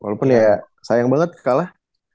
walaupun ya sayang banget kalah